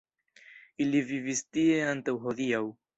Ili vivis tie antaŭ hodiaŭ.